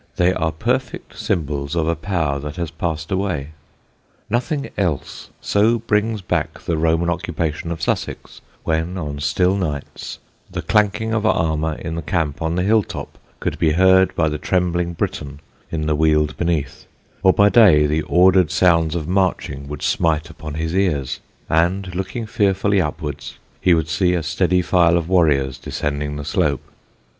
They are perfect symbols of a power that has passed away. Nothing else so brings back the Roman occupation of Sussex, when on still nights the clanking of armour in the camp on the hill top could be heard by the trembling Briton in the Weald beneath; or by day the ordered sounds of marching would smite upon his ears, and, looking fearfully upwards, he would see a steady file of warriors descending the slope.